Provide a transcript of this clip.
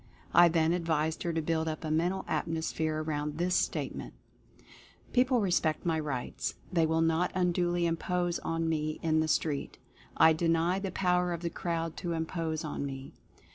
I then 194 Mental Fascination advised her to build up a Mental Atmosphere around this Statement : "People respect my rights ; they will not unduly impose on me in the street; I deny the Power of the Crowd to impose on me."